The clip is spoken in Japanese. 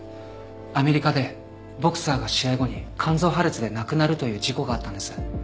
アメリカでボクサーが試合後に肝臓破裂で亡くなるという事故があったんです。